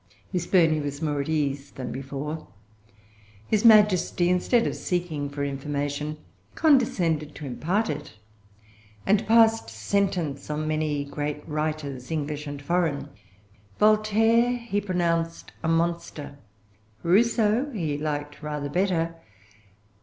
Miss Burney was more at ease than before. His Majesty, instead of seeking for information, condescended to impart it, and passed sentence on many great writers, English and foreign. Voltaire he pronounced a monster. Rousseau he liked rather better.